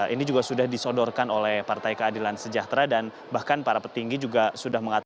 ini juga sudah disodorkan oleh partai keadilan sejahtera dan bahkan para petinggi juga sudah mengatakan